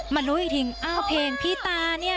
รู้อีกทีอ้าวเพลงพี่ตาเนี่ย